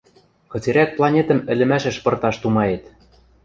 — Кыцерӓк планетӹм ӹлӹмӓшӹш пырташ тумает?